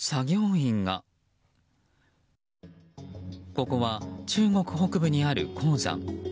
ここは、中国北部にある鉱山。